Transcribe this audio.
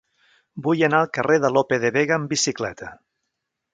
Vull anar al carrer de Lope de Vega amb bicicleta.